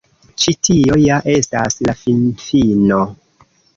Ĉi tio ja estas la finfino.